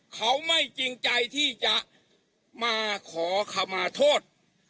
เขาไม่จริงใจที่จะมาขอคำมาโทษ